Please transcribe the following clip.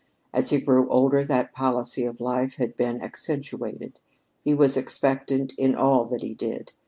As he grew older, that policy of life had become accentuated. He was expectant in all that he did.